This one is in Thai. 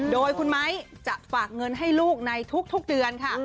โดยคุณไม้จะฝากเงินให้ลูกในทุกเดือนค่ะ